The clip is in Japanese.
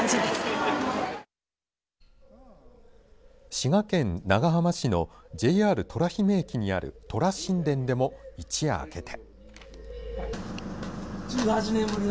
滋賀県長浜市のＪＲ虎姫駅にある虎神殿でも一夜明けて。